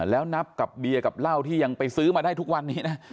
แล้วนับกับเบียร์กับเหล้าที่ยังไปซื้อมาได้ทุกวันนี้นะ